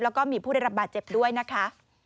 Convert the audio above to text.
แล้วก็มีผู้ได้รับบาดเจ็บด้วยนะคะ